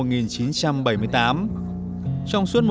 trong suốt năm